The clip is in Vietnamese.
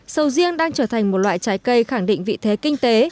sầu riêng đang trở thành một loại trái cây khẳng định vị thế kinh tế